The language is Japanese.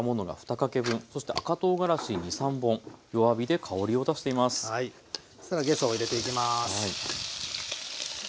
そしたらげそを入れていきます。